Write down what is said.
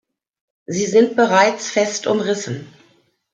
Sie sind bereits fest umrissen.